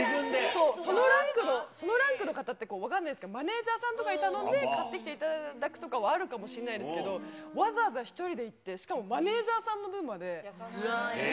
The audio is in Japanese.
そう、そのランクの方って、分かんないんですけど、マネージャーさんとかに頼んで買ってきていただくとかはあるかもしれないですけど、わざわざ１人で行ってしかもマネージャーさんの分まで。